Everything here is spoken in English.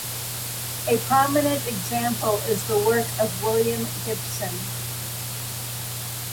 A prominent example is the work of William Gibson.